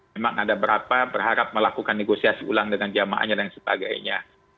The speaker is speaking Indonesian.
memang ada berapa berharap melakukan negosiasi ulang dengan jamaahnya dan sebagainya